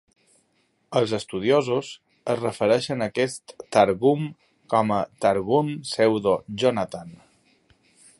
Els estudiosos es refereixen a aquest "targum" com a Targum Pseudo-Jonathan.